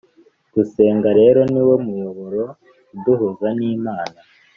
Gusenga rero niwo muyoboro uduhuza n'Imana